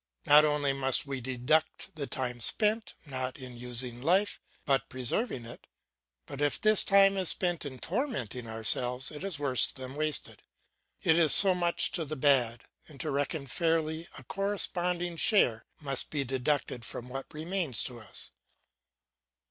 Not only must we deduct the time spent, not in using life, but preserving it, but if this time is spent in tormenting ourselves it is worse than wasted, it is so much to the bad, and to reckon fairly a corresponding share must be deducted from what remains to us.